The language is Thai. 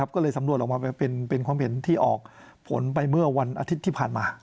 ก็เลยสำรวจออกมาเป็นความเห็นที่ออกผลไปเมื่อวันอาทิตย์ที่ผ่านมา